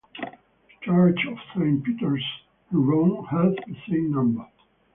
The church of Saint Peter's in Rome has the same number.